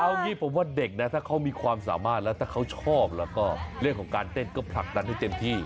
เอางี้ผมว่าเด็กนะถ้าเขามีความสามารถแล้วถ้าเขาชอบแล้วก็เรื่องของการเต้นก็ผลักดันให้เต็มที่